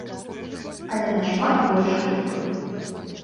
Але нашмат больш хуткай.